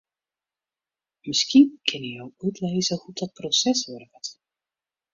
Miskien kinne jo útlizze hoe't dat proses wurket?